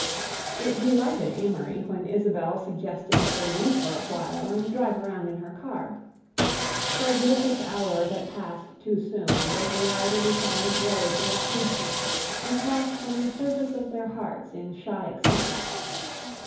It delighted Amory when Isabelle suggested that they leave for a while and drive around in her car. For a delicious hour that passed too soon they glided the silent roads about Princeton and talked from the surface of their hearts in shy excitement.